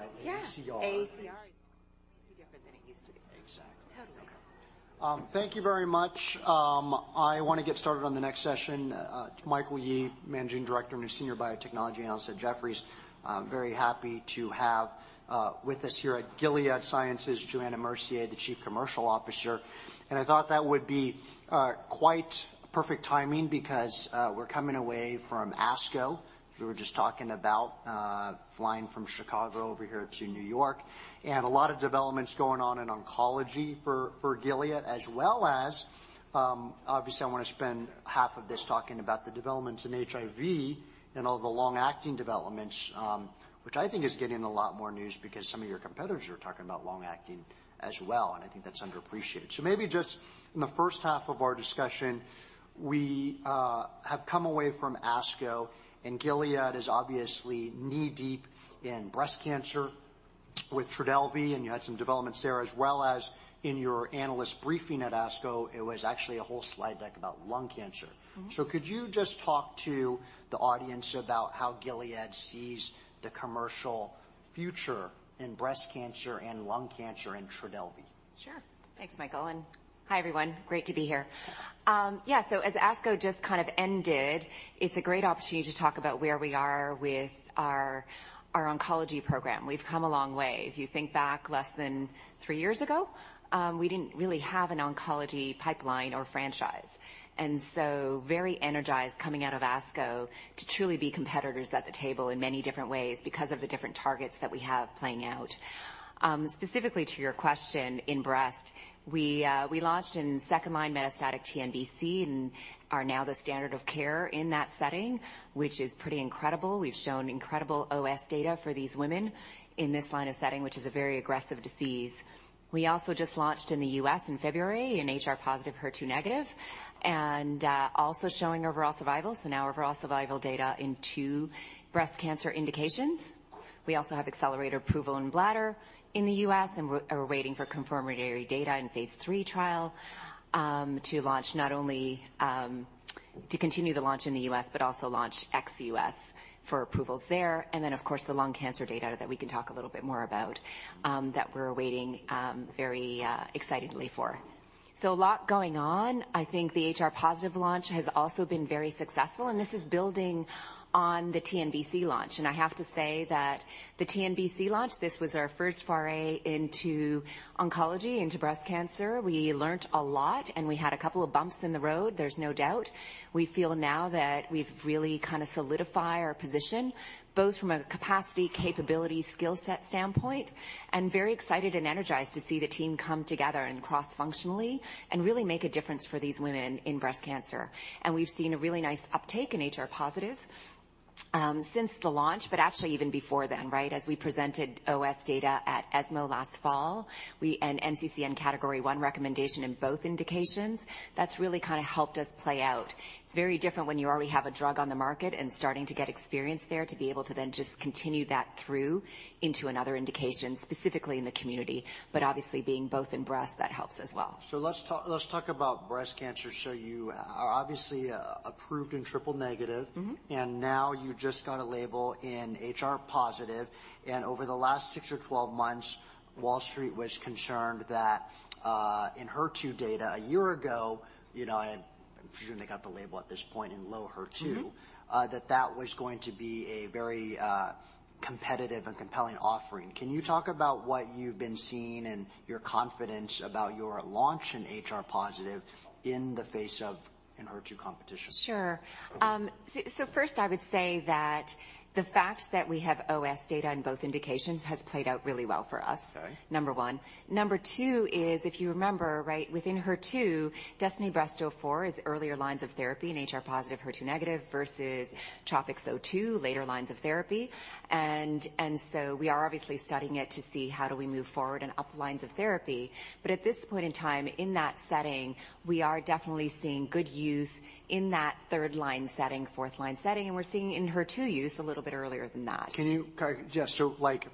right? ACR. Yeah, ACR is different than it used to be. Exactly. Totally. Thank you very much. I want to get started on the next session. Michael Yee, Managing Director and Senior Biotechnology Analyst at Jefferies. I'm very happy to have with us here at Gilead Sciences, Johanna Mercier, the Chief Commercial Officer, and I thought that would be quite perfect timing because we're coming away from ASCO. We were just talking about flying from Chicago over here to New York, and a lot of developments going on in oncology for Gilead, as well as, obviously, I want to spend half of this talking about the developments in HIV and all the long-acting developments, which I think is getting a lot more news because some of your competitors are talking about long-acting as well, and I think that's underappreciated. Maybe just in the first half of our discussion, we have come away from ASCO, and Gilead is obviously knee-deep in breast cancer with TRODELVY, and you had some developments there, as well as in your analyst briefing at ASCO. It was actually a whole slide deck about lung cancer. Could you just talk to the audience about how Gilead sees the commercial future in breast cancer and lung cancer in TRODELVY? Sure. Thanks, Michael. Hi, everyone. Great to be here. Yeah, as ASCO just kind of ended, it's a great opportunity to talk about where we are with our oncology program. We've come a long way. If you think back less than three years ago, we didn't really have an oncology pipeline or franchise, very energized coming out of ASCO to truly be competitors at the table in many different ways because of the different targets that we have playing out. Specifically to your question, in breast, we launched in second-line metastatic TNBC and are now the standard of care in that setting, which is pretty incredible. We've shown incredible OS data for these women in this line of setting, which is a very aggressive disease. We also just launched in the U.S. in February, in HR-positive, HER2-negative, and also showing overall survival, so now overall survival data in two breast cancer indications. We also have accelerator approval in bladder in the U.S. We're waiting for confirmatory data in phase III trial to launch not only to continue the launch in the U.S., but also launch ex-U.S. for approvals there. Of course, the lung cancer data that we can talk a little bit more about that we're waiting very excitedly for. A lot going on. I think the HR-positive launch has also been very successful. This is building on the TNBC launch. I have to say that the TNBC launch, this was our first foray into oncology, into breast cancer. We learned a lot, and we had a couple of bumps in the road, there's no doubt. We feel now that we've really kind of solidify our position, both from a capacity, capability, skill set standpoint, and very excited and energized to see the team come together and cross-functionally and really make a difference for these women in breast cancer. We've seen a really nice uptake in HR-positive since the launch, but actually even before then, right? As we presented OS data at ESMO last fall, we. NCCN Category 1 recommendation in both indications, that's really kind of helped us play out. It's very different when you already have a drug on the market and starting to get experience there, to be able to then just continue that through into another indication, specifically in the community, but obviously being both in breast, that helps as well. Let's talk about breast cancer. You are obviously approved in triple-negative. Now you just got a label in HR-positive, and over the last six or 12 months, Wall Street was concerned that ENHERTU data a year ago, you know, and assuming they got the label at this point in low HER2, that was going to be a very competitive and compelling offering. Can you talk about what you've been seeing and your confidence about your launch in HR-positive in the face of an HER2 competition? Sure. First, I would say that the fact that we have OS data in both indications has played out really well for us. Right. Number one. Number two is, if you remember, right, within HER2, DESTINY-Breast04 is earlier lines of therapy in HR-positive, HER2-negative versus TROPiCS-02, later lines of therapy. We are obviously studying it to see how do we move forward and up lines of therapy. At this point in time, in that setting, we are definitely seeing good use in that third-line setting, fourth-line setting, and we're seeing in HER2 use a little bit earlier than that. Like,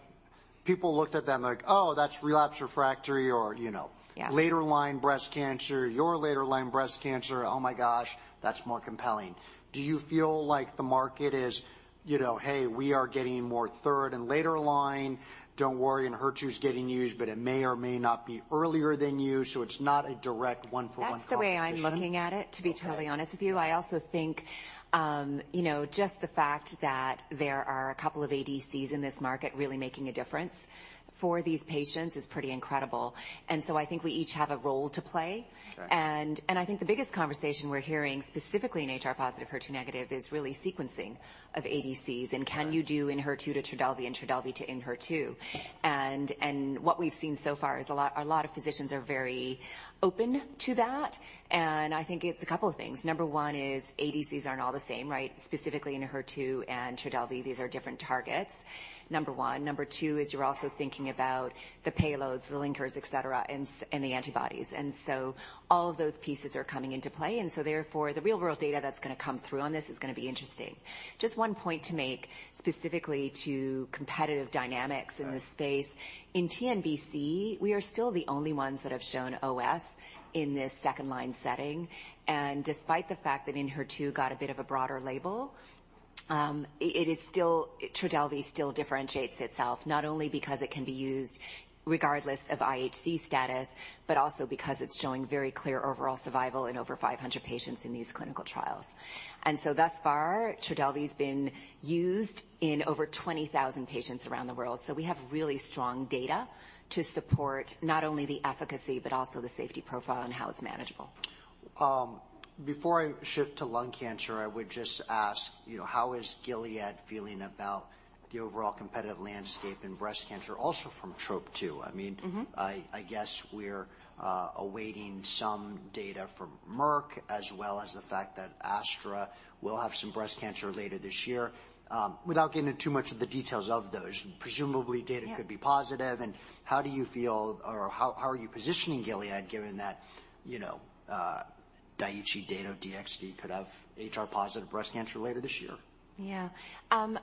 people looked at them like, "Oh, that's relapse refractory," or, you know. Yeah. -later line breast cancer. You're later line breast cancer. Oh, my gosh, that's more compelling. Do you feel like the market is, you know, "Hey, we are getting more third and later line. Don't worry, and HER2 is getting used, but it may or may not be earlier than you," so it's not a direct one-for-one competition? That's the way I'm looking at it, to be totally honest with you. I also think, you know, just the fact that there are a couple of ADCs in this market really making a difference for these patients is pretty incredible, and so I think we each have a role to play. Sure. I think the biggest conversation we're hearing, specifically in HR-positive, HER2-negative, is really sequencing of ADCs. Can you do HER2 to TRODELVY and TRODELVY to HER2? What we've seen so far is a lot of physicians are very open to that, and I think it's a couple of things. Number one is ADCs aren't all the same, right? Specifically HER2 and TRODELVY, these are different targets, number one. Number two is you're also thinking about the payloads, the linkers, et cetera, and the antibodies, all of those pieces are coming into play, therefore, the real-world data that's gonna come through on this is gonna be interesting. Just one point to make specifically to competitive dynamics. Right in this space. In TNBC, we are still the only ones that have shown OS in this second-line setting, despite the fact that in HER2 got a bit of a broader label. TRODELVY still differentiates itself, not only because it can be used regardless of IHC status, but also because it's showing very clear overall survival in over 500 patients in these clinical trials. Thus far, TRODELVY's been used in over 20,000 patients around the world. We have really strong data to support not only the efficacy, but also the safety profile and how it's manageable. Before I shift to lung cancer, I would just ask, you know, how is Gilead feeling about the overall competitive landscape in breast cancer, also from Trop-2? I mean, I guess we're awaiting some data from Merck, as well as the fact that Astra will have some breast cancer later this year. Without getting into too much of the details of those, presumably. Yeah could be positive. How do you feel or how are you positioning Gilead, given that, you know, Daiichi data of DXd could have HR-positive breast cancer later this year? Yeah.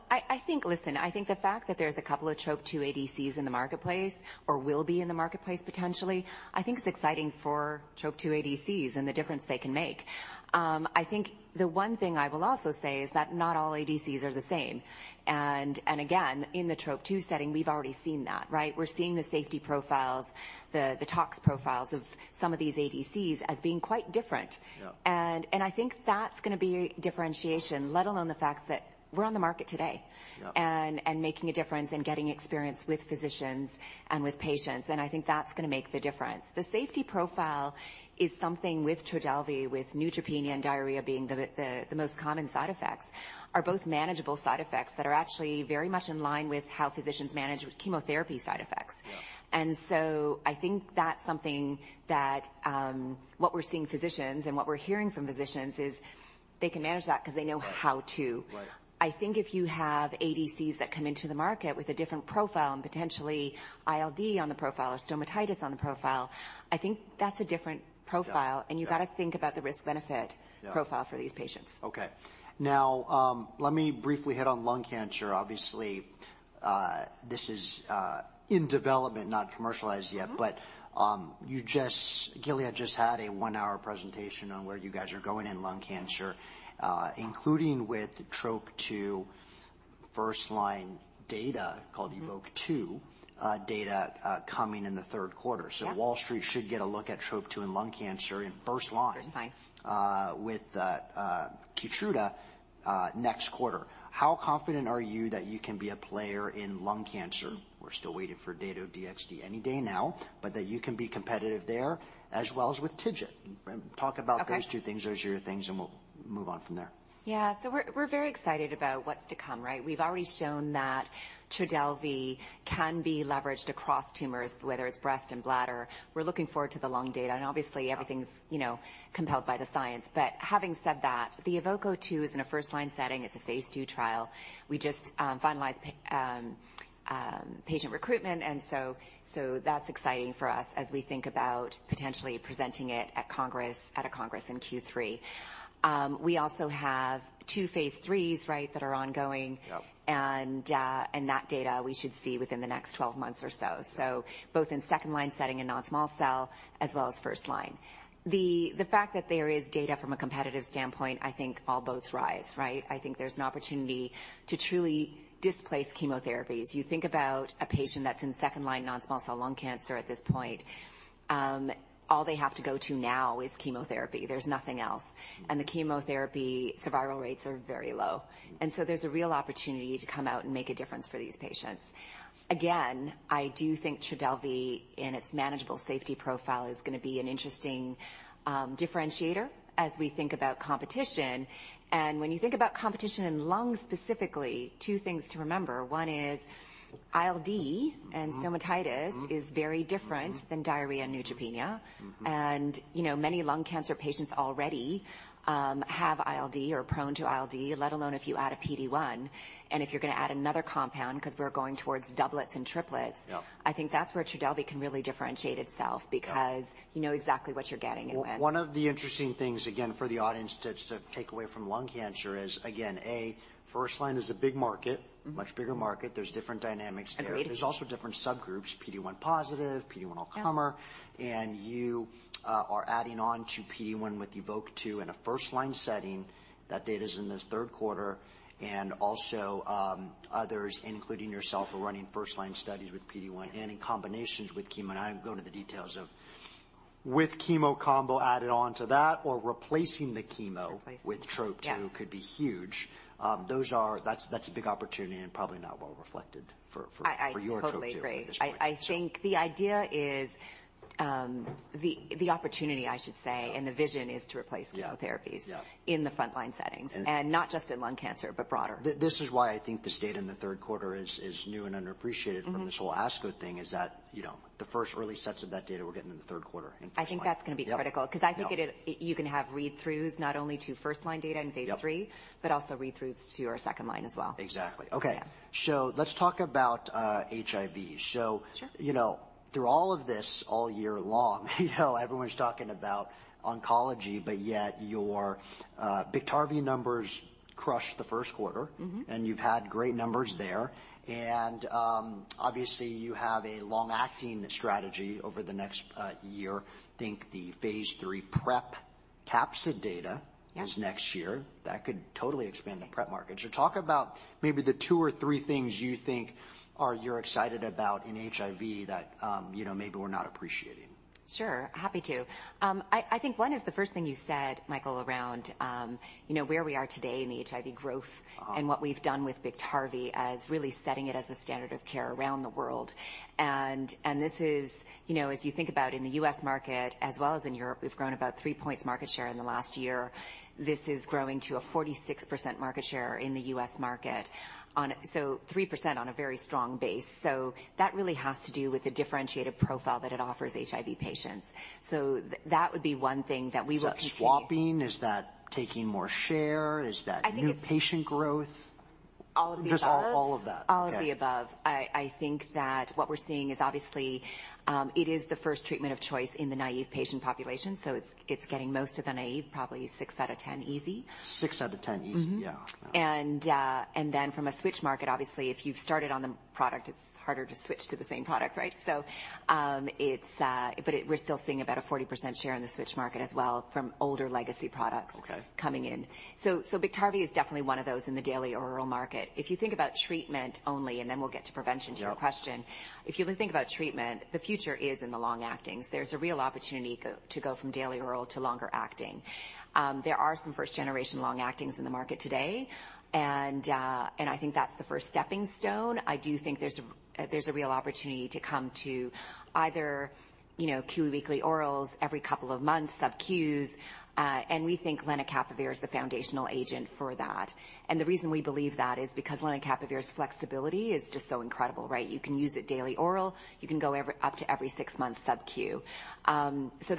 I think the fact that there's a couple of Trop-2 ADCs in the marketplace or will be in the marketplace potentially, I think is exciting for Trop-2 ADCs and the difference they can make. I think the one thing I will also say is that not all ADCs are the same. Again, in the Trop-2 setting, we've already seen that, right? We're seeing the safety profiles, the tox profiles of some of these ADCs as being quite different. Yeah. I think that's gonna be differentiation, let alone the fact that we're on the market today. Yeah Making a difference and getting experience with physicians and with patients, and I think that's gonna make the difference. The safety profile is something with TRODELVY, with neutropenia and diarrhea being the most common side effects, are both manageable side effects that are actually very much in line with how physicians manage chemotherapy side effects. Yeah. I think that's something that, what we're seeing physicians and what we're hearing from physicians is they can manage that because they know how to. Right. Right. I think if you have ADCs that come into the market with a different profile and potentially ILD on the profile or stomatitis on the profile, I think that's a different profile. Yeah, yeah. You've got to think about the risk-benefit-. Yeah - profile for these patients. Now, let me briefly hit on lung cancer. Obviously, this is in development, not commercialized yet. Gilead just had a one-hour presentation on where you guys are going in lung cancer, including with Trop-2 first-line data called EVOKE-02 data coming in the third quarter. Yeah. Wall Street should get a look at Trop-2 in lung cancer in first line. First line. with KEYTRUDA next quarter. How confident are you that you can be a player in lung cancer? We're still waiting for data of DXd any day now, but that you can be competitive there as well as with TIGIT. Okay. Talk about those two things, those are your things, and we'll move on from there. We're very excited about what's to come, right? We've already shown that TRODELVY can be leveraged across tumors, whether it's breast and bladder. We're looking forward to the lung data, and obviously, everything's, you know, compelled by the science. Having said that, the EVOKE-02 is in a first-line setting. It's a phase II trial. We just finalized patient recruitment, that's exciting for us as we think about potentially presenting it at a Congress in Q3. We also have two phase IIIs, right, that are ongoing. Yep. That data we should see within the next 12 months or so. Both in second-line setting and non-small cell, as well as first line. The fact that there is data from a competitive standpoint, I think all boats rise, right? I think there's an opportunity to truly displace chemotherapies. You think about a patient that's in second-line non-small cell lung cancer at this point, all they have to go to now is chemotherapy. There's nothing else. The chemotherapy survival rates are very low. There's a real opportunity to come out and make a difference for these patients. Again, I do think TRODELVY, in its manageable safety profile, is gonna be an interesting differentiator as we think about competition. When you think about competition in lung, specifically, two things to remember. One is ILD and stomatitis is very different than diarrhea and neutropenia. You know, many lung cancer patients already have ILD or are prone to ILD, let alone if you add a PD-1. If you're gonna add another compound, because we're going towards doublets and triplets. Yeah I think that's where TRODELVY can really differentiate itself. Yeah Because you know exactly what you're getting and when. One of the interesting things, again, for the audience to take away from lung cancer is, again, A, first-line is a big market. Much bigger market. There's different dynamics there. Agreed. There's also different subgroups, PD-1 positive, PD-1 all-comer. Yeah. You are adding on to PD-1 with EVOKE-02 in a first-line setting. That data's in the third quarter. Others, including yourself, are running first-line studies with PD-1 and in combinations with chemo. I won't go into the details of... With chemo combo added on to that or replacing the chemo- Replacing - with Trop-2- Yeah could be huge. those are, that's a big opportunity and probably not well reflected for. I totally agree. for your Trop-2 at this point, so. I think the idea is the opportunity, I should say, and the vision is to replace chemotherapies- Yeah, yeah. in the frontline settings, and not just in lung cancer, but broader. This is why I think this data in the third quarter is new and underappreciated from this whole ASCO thing, is that, you know, the first early sets of that data we're getting in the third quarter in first line. I think that's gonna be critical. Yep, yeah. Because I think it, you can have read-throughs not only to first-line data in phase III. Yep - but also read-throughs to our second line as well. Exactly. Okay. Yeah. Let's talk about HIV. Sure. Through all of this, all year long, you know, everyone's talking about oncology, but yet your BIKTARVY numbers crushed the first quarter. And you've had great numbers there. Obviously, you have a long-acting strategy over the next year. Think the phase III PrEP capsid data Yeah. is next year, that could totally expand the PrEP market. Talk about maybe the two or three things you think you're excited about in HIV that, you know, maybe we're not appreciating. Sure, happy to. I think one is the first thing you said, Michael, around, you know, where we are today in the HIV growth and what we've done with BIKTARVY as really setting it as a standard of care around the world. You know, as you think about in the U.S. market as well as in Europe, we've grown about three points market share in the last year. This is growing to a 46% market share in the U.S. market. 3% on a very strong base. That really has to do with the differentiated profile that it offers HIV patients. That would be one thing that we will continue. Swapping, is that taking more share? I think it's- New patient growth? All of the above. Just all of that. All of the above. Okay. I think that what we're seeing is obviously, it is the first treatment of choice in the naive patient population, so it's getting most of the naive, probably six out of 10, easy. Six out of 10 easy? Mm-hmm. Yeah. From a switch market, obviously, if you've started on the product, it's harder to switch to the same product, right? We're still seeing about a 40% share in the switch market as well from older legacy products. Okay. coming in. BIKTARVY is definitely one of those in the daily oral market. If you think about treatment only, and then we'll get to prevention, to your question. Yeah. If you think about treatment, the future is in the long-actings. There's a real opportunity to go from daily oral to longer-acting. There are some first-generation long-actings in the market today, and I think that's the first stepping stone. I do think there's a real opportunity to come to either, you know, Q-weekly orals every couple of months, subQs, and we think lenacapavir is the foundational agent for that. The reason we believe that is because lenacapavir's flexibility is just so incredible, right? You can use it daily oral, you can go up to every six months subQ.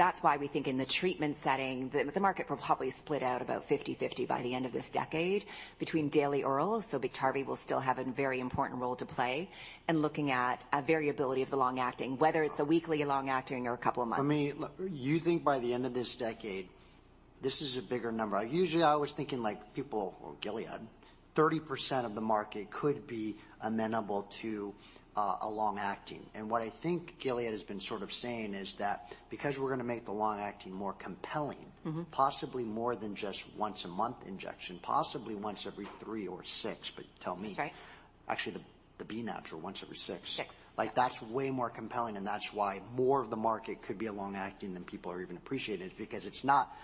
That's why we think in the treatment setting, the market will probably split out about 50/50 by the end of this decade between daily orals, so BIKTARVY will still have a very important role to play, and looking at a variability of the long-acting, whether it's a weekly long-acting or a couple of months. For me, you think by the end of this decade, this is a bigger number. Usually, I was thinking like people or Gilead, 30% of the market could be amenable to a long-acting. What I think Gilead has been sort of saying is that because we're going to make the long-acting more compelling. Possibly more than just once-a-month injection, possibly once every three or six, but tell me? That's right. Actually, the bNAbs are once every six. Six. Like, that's way more compelling, and that's why more of the market could be a long-acting than people are even appreciating. It's not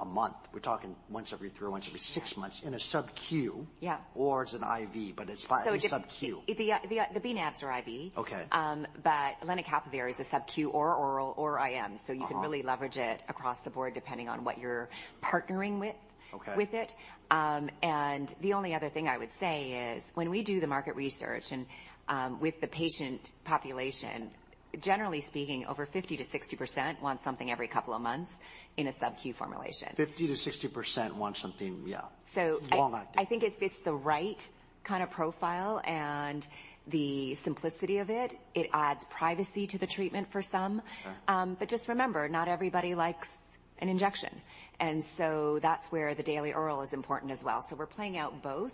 a month, we're talking once every three, or once every six months in a subQ. Yeah. It's an IV, but it's fine. So just- It's subQ. The bNAbs are IV. Okay. Lenacapavir is a subQ, or oral, or IM. You can really leverage it across the board, depending on what you're partnering with- Okay... with it. The only other thing I would say is, when we do the market research and with the patient population, generally speaking, over 50%-60% want something every 2 months in a subQ formulation. 50%-60% want something. So- Long-acting. I think it's the right kind of profile and the simplicity of it. It adds privacy to the treatment for some. Okay. Just remember, not everybody likes an injection, and so that's where the daily oral is important as well. We're playing out both,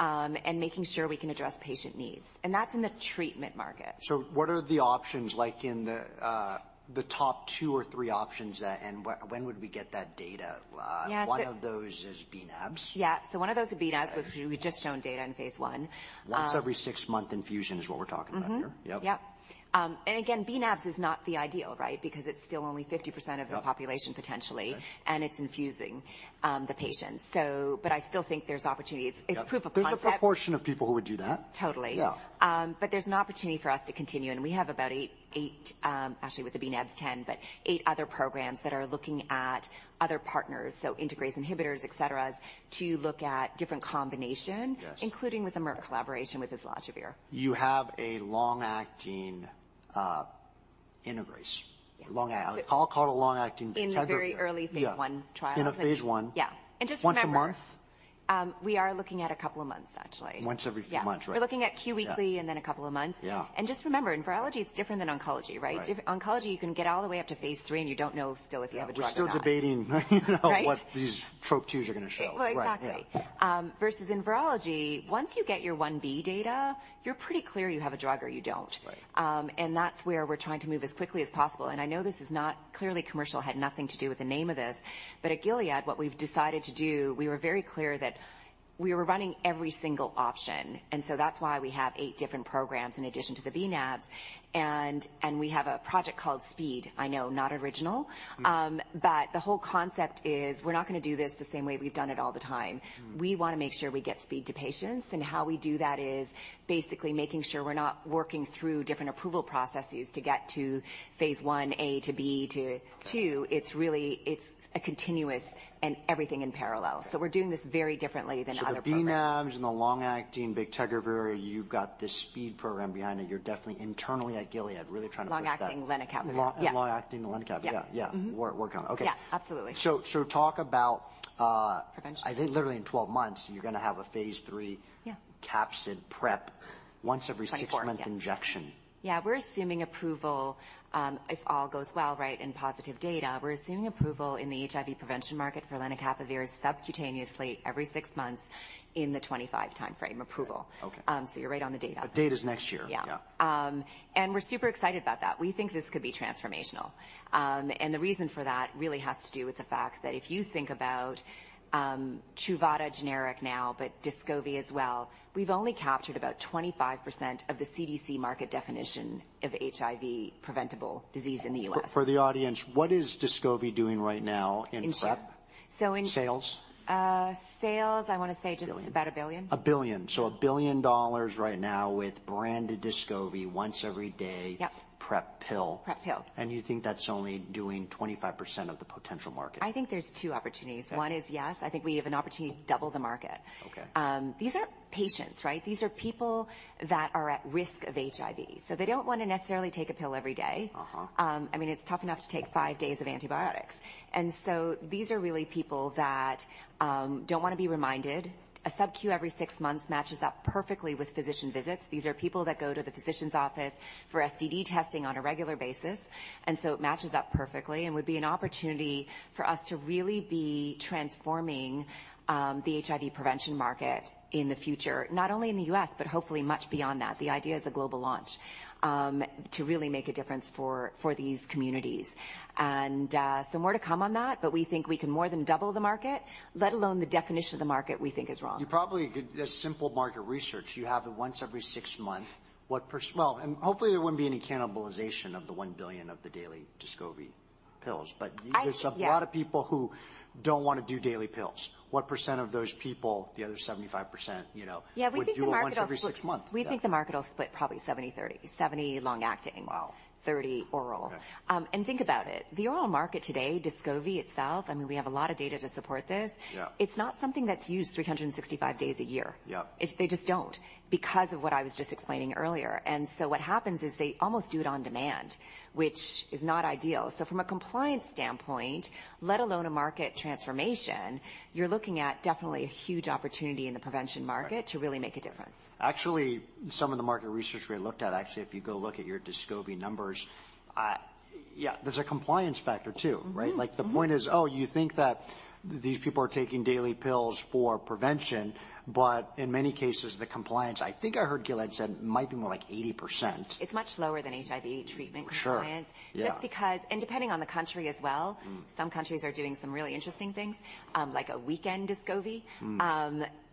and making sure we can address patient needs, and that's in the treatment market. What are the options, like in the top 2 or 3 options, when would we get that data? Yeah, so- One of those is bNAbs. Yeah. One of those is bNAbs, which we've just shown data in phase one. Once every 6-month infusion is what we're talking about here? Mm-hmm. Yeah. Yep. Again, bNAbs is not the ideal, right? Because it's still only 50%. Yep the population potentially. Okay. It's infusing the patients. I still think there's opportunity. Yep. It's proof of concept. There's a proportion of people who would do that. Totally. Yeah. There's an opportunity for us to continue, and we have about eight, actually, with the bNAbs, 10, but eight other programs that are looking at other partners, so integrase inhibitors, et cetera, to look at different combination-. Yes including with a Merck collaboration with islatravir. You have a long-acting [integrase]. Yeah. I'll call it a long-acting - In the very early phase I. Yeah -trials. In a phase I? Yeah. just remember- Once a month? We are looking at a couple of months, actually. Once every few months, right. Yeah. We're looking at Q-weekly. Yeah Then a couple of months. Yeah. Just remember, in virology, it's different than oncology, right? Right. Oncology, you can get all the way up to phase III, you don't know still if you have a drug or not. We're still debating, you know. Right... what these Trop-2 are going to show. Well, exactly. Right. Yeah. Versus in virology, once you get your 1B data, you're pretty clear you have a drug or you don't. Right. That's where we're trying to move as quickly as possible, and I know this is not... Clearly, commercial had nothing to do with the name of this. At Gilead, what we've decided to do, we were very clear that we were running every single option, and so that's why we have eight different programs in addition to the bNAbs. We have a project called [SPEED]. I know, not original. The whole concept is we're not going to do this the same way we've done it all the time. We want to make sure we get SPEED to patients, and how we do that is basically making sure we're not working through different approval processes to get to phase IA to B to II. It's really, it's a continuous and everything in parallel. We're doing this very differently than other programs. The bNAbs and the long-acting bictegravir, you've got this SPEED program behind it. You're definitely internally at Gilead, really trying to push that. Long-acting lenacapavir. Long, long-acting lenacapavir. Yeah. Yeah. Working on it. Okay. Yeah, absolutely. Talk about I think literally in 12 months, you're going to have a phase III - Yeah - capsid PrEP. once every six-month injection. Yeah, we're assuming approval, if all goes well, right, and positive data, we're assuming approval in the HIV prevention market for lenacapavir subcutaneously every six months in the 2025 timeframe approval. Okay. You're right on the data. The date is next year? Yeah. Yeah. We're super excited about that. We think this could be transformational. The reason for that really has to do with the fact that if you think about Truvada generic now, but DESCOVY as well, we've only captured about 25% of the CDC market definition of HIV preventable disease in the U.S. For the audience, what is DESCOVY doing right now in PrEP sales? Sales, I wanna say just about $1 billion. $1 billion. $1 billion right now with branded DESCOVY once every day. Yep PrEP pill. PrEP pill. You think that's only doing 25% of the potential market? I think there's two opportunities. Okay. One is, yes, I think we have an opportunity to double the market. Okay. These aren't patients, right? These are people that are at risk of HIV, so they don't wanna necessarily take a pill every day. I mean, it's tough enough to take five days of antibiotics, these are really people that don't wanna be reminded. A subQ every six months matches up perfectly with physician visits. These are people that go to the physician's office for STD testing on a regular basis, it matches up perfectly and would be an opportunity for us to really be transforming the HIV prevention market in the future, not only in the U.S., but hopefully much beyond that. The idea is a global launch to really make a difference for these communities. More to come on that, but we think we can more than double the market, let alone the definition of the market we think is wrong. You probably could. Just simple market research. You have it once every six months. Well, hopefully there wouldn't be any cannibalization of the 1 billion of the daily DESCOVY pills. I, yeah- There's a lot of people who don't wanna do daily pills. What percent of those people, the other 75%, you know... Yeah, we think the market. would do once every six months? We think the market will split probably 70/30. 70 long-acting, well, 30 oral. Okay. Think about it, the oral market today, DESCOVY itself, I mean, we have a lot of data to support this. Yeah. It's not something that's used 365 days a year. Yeah. They just don't, because of what I was just explaining earlier, what happens is they almost do it on demand, which is not ideal. From a compliance standpoint, let alone a market transformation, you're looking at definitely a huge opportunity in the prevention market. Right to really make a difference. Actually, some of the market research we looked at, actually, if you go look at your DESCOVY numbers, yeah, there's a compliance factor, too, right? Like, the point is, oh, you think that these people are taking daily pills for prevention, but in many cases, the compliance, I think I heard Gilead said, might be more like 80%. It's much lower than HIV treatment compliance. Sure, yeah. Just because... depending on the country as well, some countries are doing some really interesting things, like a weekend DESCOVY.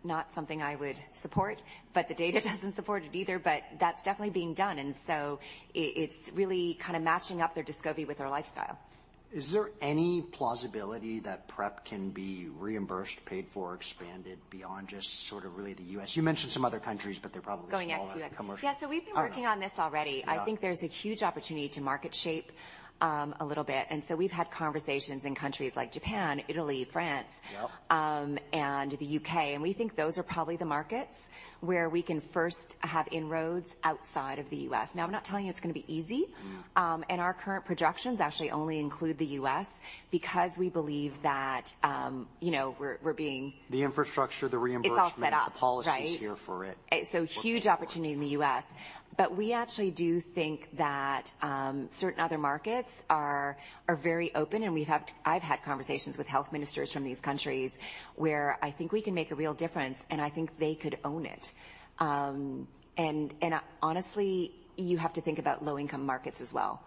Not something I would support, but the data doesn't support it either, but that's definitely being done, and so it's really kind of matching up their DESCOVY with their lifestyle. Is there any plausibility that PrEP can be reimbursed, paid for, expanded beyond just sort of really the U.S.? You mentioned some other countries, but they're probably smaller commercial- Yeah, we've been working on this already. Yeah. I think there's a huge opportunity to market shape, a little bit, and so we've had conversations in countries like Japan, Italy, France. Yep... and the U.K., and we think those are probably the markets where we can first have inroads outside of the U.S. I'm not telling you it's gonna be easy. Our current projections actually only include the U.S. because we believe that, you know, we're being. The infrastructure, the reimbursement- It's all set up. the policy is here for it. Huge opportunity in the U.S., but we actually do think that certain other markets are very open, and I've had conversations with health ministers from these countries, where I think we can make a real difference, and I think they could own it. And honestly, you have to think about low-income markets as well.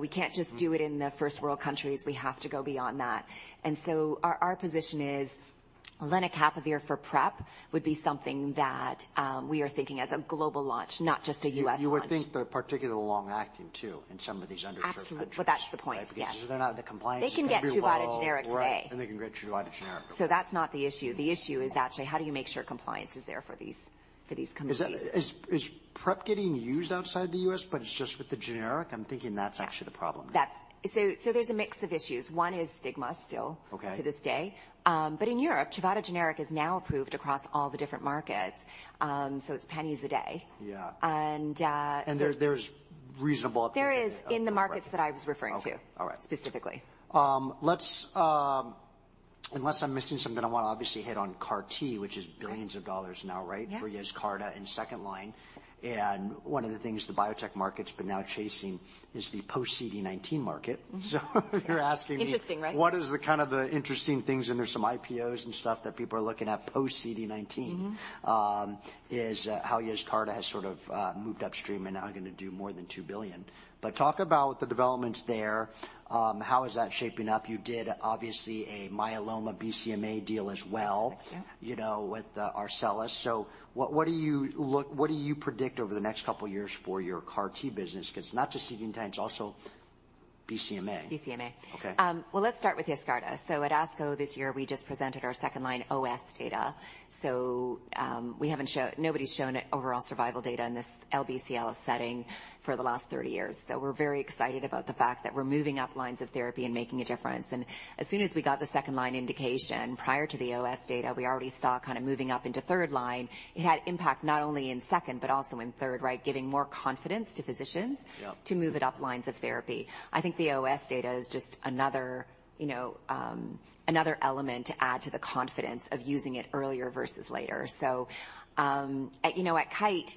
We can't just do it in the first world countries. We have to go beyond that. Our position is lenacapavir for PrEP would be something that we are thinking as a global launch, not just a U.S. launch. You would think the particular long-acting, too, in some of these underserved countries. Absolutely. Well, that's the point, yeah. They're not, the compliance is gonna be low. They can get Truvada generic today. Right, they can get Truvada generic. That's not the issue. The issue is actually how do you make sure compliance is there for these countries? Is PrEP getting used outside the U.S., but it's just with the generic? I'm thinking that's actually the problem. There's a mix of issues. One is stigma. Okay to this day. In Europe, Truvada generic is now approved across all the different markets, it's pennies a day. Yeah. And, uh- there's reasonable. There is in the markets that I was referring to. Okay. All right... specifically. Let's, unless I'm missing something, I wanna obviously hit on CAR-T, which is billions of dollars now, right? Yeah. For YESCARTA in second line, one of the things the biotech market's been now chasing is the post-CD19 market. You're asking me... Interesting, right? What is the kind of the interesting things, and there's some IPOs and stuff that people are looking at post-CD19 is how YESCARTA has sort of moved upstream and now going to do more than $2 billion. Talk about the developments there. How is that shaping up? You did, obviously, a myeloma BCMA deal as well- That's right.... you know, with Arcellx. What do you predict over the next couple of years for your CAR T business? It's not just CD19, it's also BCMA. BCMA. Okay. Well, let's start with YESCARTA. At ASCO this year, we just presented our second-line OS data, so nobody's shown overall survival data in this LBCL setting for the last 30 years. We're very excited about the fact that we're moving up lines of therapy and making a difference. As soon as we got the second-line indication, prior to the OS data, we already saw kind of moving up into third-line. It had impact not only in second, but also in third, right? Giving more confidence to physicians. Yeah -to move it up lines of therapy. I think the OS data is just another, you know, another element to add to the confidence of using it earlier versus later. At, you know, at Kite,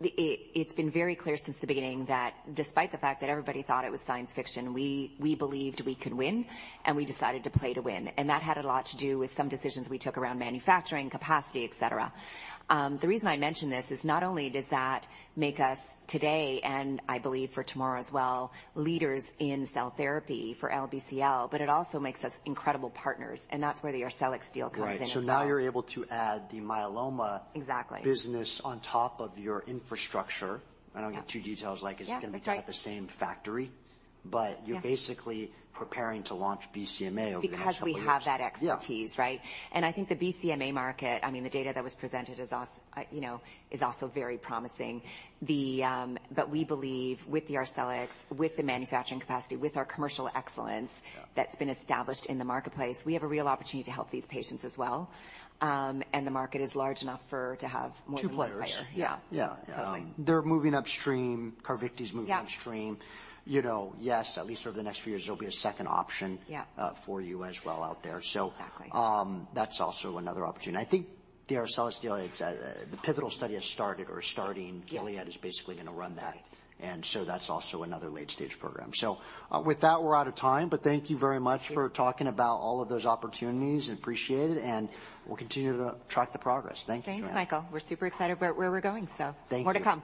it's been very clear since the beginning that despite the fact that everybody thought it was science fiction, we believed we could win, and we decided to play to win. That had a lot to do with some decisions we took around manufacturing, capacity, et cetera. The reason I mention this is not only does that make us today, and I believe for tomorrow as well, leaders in cell therapy for LBCL, but it also makes us incredible partners, and that's where the Arcellx deal comes in as well. Right. now you're able to add the myeloma- Exactly -business on top of your infrastructure. Yeah. I don't get too details, like. Yeah, that's right.... it's gonna be at the same factory. Yeah You're basically preparing to launch BCMA over the next couple of years. We have that expertise, right? Yeah. I think the BCMA market, I mean, the data that was presented is also, you know, is also very promising. We believe with the Arcellx, with the manufacturing capacity, with our commercial excellence- Yeah that's been established in the marketplace, we have a real opportunity to help these patients as well. The market is large enough for, to have more than one player. Two players. Yeah. Yeah. Absolutely. They're moving upstream. CARVYKTI is moving- Yeah Upstream. You know, yes, at least over the next few years, there'll be a second option. Yeah For you as well out there. Exactly. That's also another opportunity. I think the Arcellx deal, the pivotal study has started or is starting. Yeah. Gilead is basically gonna run that. Right. That's also another late-stage program. With that, we're out of time, thank you very much. Thank you. for talking about all of those opportunities. Appreciate it, and we'll continue to track the progress. Thank you. Thanks, Michael. We're super excited about where we're going. Thank you. More to come.